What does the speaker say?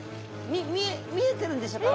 見え見えてるんでしょうか？